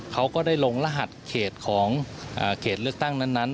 เขาก็ได้ลงรหัสเขตของเขตเลือกตั้งนั้น